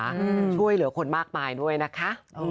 ช่วยเหลือคนมากมายด้วยนะคะ